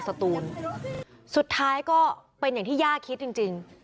สุดท้ายก็เป็นอย่างที่ย่าคิดจริง